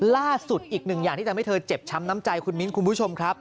ล่าสุดอีกหนึ่งอย่างที่ทำให้เธอเจ็บช้ำน้ำใจคุณมิ้นคุณผู้ชมครับ